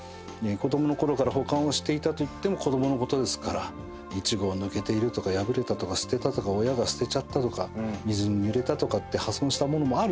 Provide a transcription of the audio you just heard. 子供のころから保管をしていたといっても子供のことですから１号抜けているとか破れたとか捨てたとか親が捨てちゃったとか水にぬれたとかって破損した物もあるでしょう。